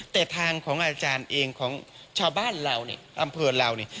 แต่ทางของอาจารย์เองของชาวบ้านเราเนี่ยอำเภอเราเนี่ย